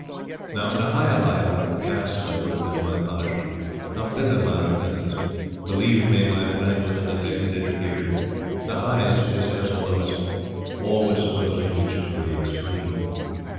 Now, in a higher life, how ghastly would have been my punishment, how bitter my repentance! Believe me, my friend with the neglected education, the highest is as the lowest always supposing each degree extreme."